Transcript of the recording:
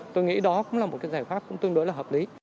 tôi nghĩ đó cũng là một giải pháp tương đối là hợp lý